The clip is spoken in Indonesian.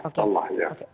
insya allah ya